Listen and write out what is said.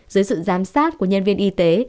dưới sự giám sát của nhân viên y tế